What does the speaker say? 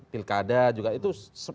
tilkada juga itu